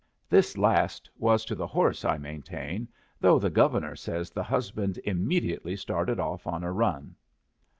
This last was to the horse, I maintain, though the Governor says the husband immediately started off on a run.